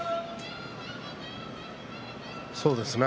そうですね。